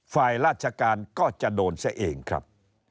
ฝ่ายราชการก็จะโดนซะเองครับ